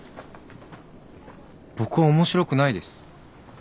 僕は面白くないです。